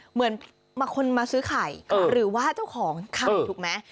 เหมือนคนมาซื้อไข่หรือว่าเจ้าของไข่ถูกไหม